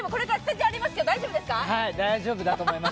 はい、大丈夫だと思います。